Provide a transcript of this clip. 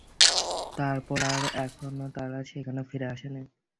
তারপর আর কখনো তারা সেখানে ফিরে আসে না।